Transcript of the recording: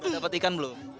dapat ikan belum